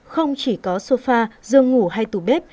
không chỉ có sofa giường ngủ hay tủ bếp